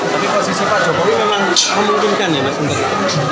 tapi posisi pak cokowi memang memungkinkan ya pak cokowi